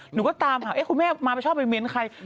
หนูก็ตามหาคุณแม่มาชอบไปเมนต์ใคร